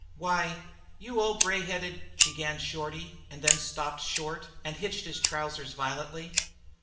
"Why, you old, grey headed " began Shorty, and then stopped short and hitched his trousers violently.